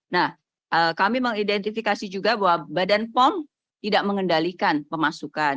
nah kami mengidentifikasi juga bahwa badan pom tidak mengendalikan pemasukan